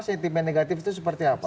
sentimen negatif itu seperti apa